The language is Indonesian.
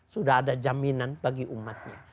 sudah ada jaminan bagi umatnya